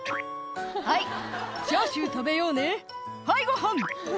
「はいチャーシュー食べようねはいご飯！」